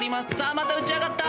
また打ち上がった！